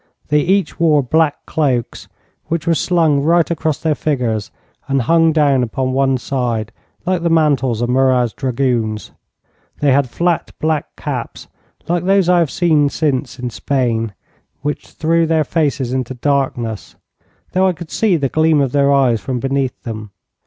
They each wore black cloaks, which were slung right across their figures, and hung down upon one side, like the mantles of Murat's dragoons. They had flat black caps, like those I have since seen in Spain, which threw their faces into darkness, though I could see the gleam of their eyes from beneath them.